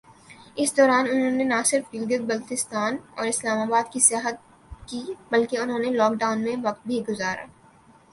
اس دوران انھوں نے نہ صرف گلگت بلستان اور اسلام آباد کی سیاحت کی بلکہ انھوں نے لاک ڈاون میں وقت بھی گزرا۔